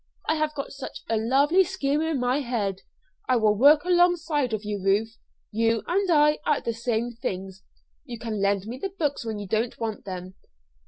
I have got such a lovely scheme in my head. I will work alongside of you, Ruth you and I at the same things. You can lend me the books when you don't want them."